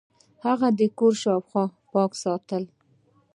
هغه د کور شاوخوا پاکه ساتله.